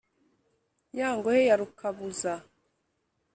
ya ngohe ya rukabuza,